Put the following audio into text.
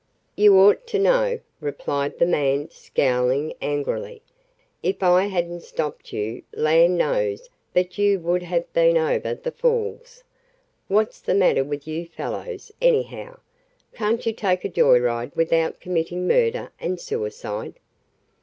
"You ought to know," replied the man, scowling angrily. "If I hadn't stopped you land knows but you would have been over the falls. What's the matter with you fellows, anyhow? Can't you take a joy ride without committing murder and suicide?"